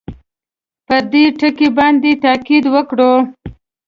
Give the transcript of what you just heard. پر دې ټکي باندې تاءکید وکړو.